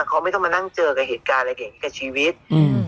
เขาไม่ต้องมานั่งเจอกับเหตุการณ์อะไรอย่างนี้กับชีวิตอืม